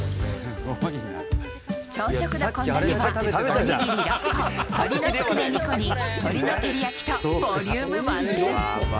朝食の献立は、お握り６個、鶏のつくね２個に鶏の照り焼きと、ボリューム満点。